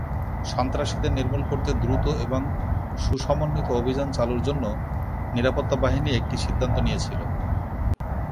সন্ত্রাসীদের নির্মূল করতে দ্রুত এবং সু-সমন্বিত অভিযান চালুর জন্য নিরাপত্তা বাহিনী একটি সিদ্ধান্ত নিয়েছিল।